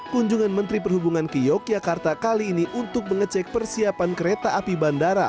kunjungan menteri perhubungan ke yogyakarta kali ini untuk mengecek persiapan kereta api bandara